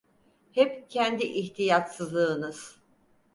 Hep kendi ihtiyatsızlığınız!